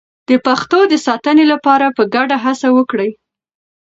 د پښتو د ساتنې لپاره په ګډه هڅه وکړئ.